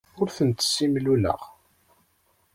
Ur tent-ssimluleɣ.